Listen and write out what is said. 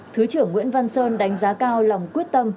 thứ trưởng nguyễn văn sơn đánh giá cao lòng quyết tâm